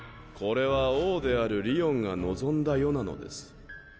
これは王であるりおんが望んだ世なのです。